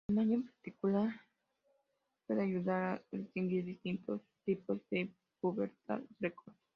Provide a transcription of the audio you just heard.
El tamaño testicular puede ayudar a distinguir distintos tipos de pubertad precoz.